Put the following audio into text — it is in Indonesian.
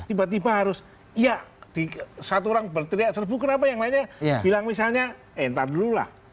tiba tiba harus ya satu orang berteriak serbu kenapa yang lainnya bilang misalnya entar dulu lah